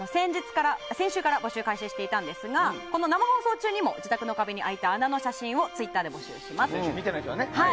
先週から募集を開始していたんですがこの生放送中にも自宅の壁に開いた穴の写真をツイッターで募集します。